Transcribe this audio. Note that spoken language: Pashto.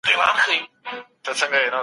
که ئې شپې پرلپسې نه وې.